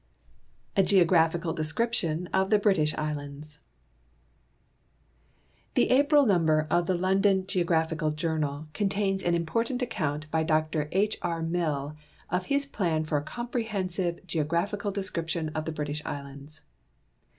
A GEOGRAPHICAL DESCRIPTION OF THE BRITISH ISLANDS The April number of the London Geographical Journal con tains an important account by Dr H. R. Mill of his plan for a comprehensive Geographical Description of the British Islands.